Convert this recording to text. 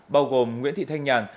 bao gồm nguyễn thị thanh nhàn